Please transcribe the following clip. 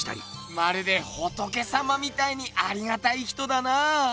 まるで仏様みたいにありがたい人だな。